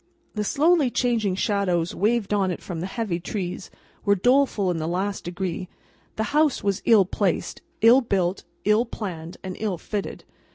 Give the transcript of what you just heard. The slowly changing shadows waved on it from the heavy trees, were doleful in the last degree; the house was ill placed, ill built, ill planned, and ill fitted.